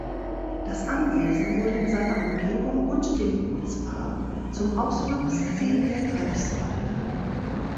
Das Anwesen wurde mit seiner Umgebung und dem Gutspark zum Ausflugsziel der Greifswalder.